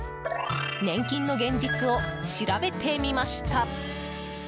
年金の現実を調べてみました。